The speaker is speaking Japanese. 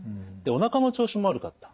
おなかの調子も悪かった。